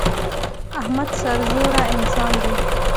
احمد سرزوره انسان دی.